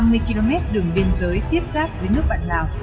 một vùng biên giới hai trăm năm mươi km đường biên giới tiếp giáp với nước bạn lào